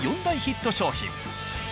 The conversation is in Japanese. ４大ヒット商品。